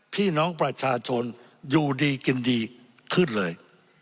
พี่น้องประชาชนอยู่ดีกินดีขึ้นเลย